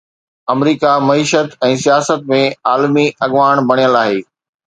آمريڪا معيشت ۽ سياست ۾ عالمي اڳواڻ بڻيل آهي.